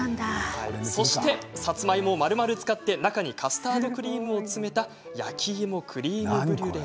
そして、さつまいもをまるまる使って、中にカスタードクリームを詰めた焼き芋クリームブリュレ。